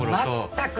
全く！